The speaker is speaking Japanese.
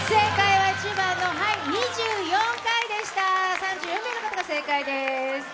３４名の方が正解です。